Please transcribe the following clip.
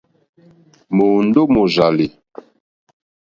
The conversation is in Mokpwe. Mòòndó mòrzàlì.